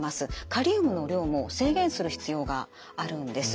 カリウムの量も制限する必要があるんです。